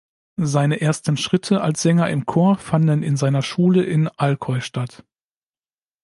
Seine ersten Schritte als Sänger im Chor fanden in seiner Schule in Alcoy statt.